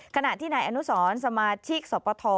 ขณะที่นายอนุสรสมาชิกสปท